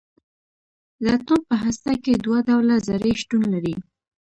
د اټوم په هسته کې دوه ډوله ذرې شتون لري.